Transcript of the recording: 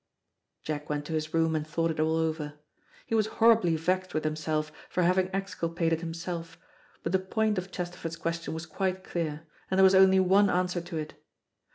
Jack went to his room and thought it all over. He was horribly vexed with himself for having exculpated himself, but the point of Chesterford's question was quite clear, and there was only one answer to it.